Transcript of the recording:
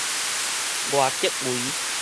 外竹圍